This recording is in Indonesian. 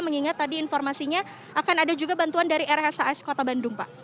mengingat tadi informasinya akan ada juga bantuan dari rshs kota bandung pak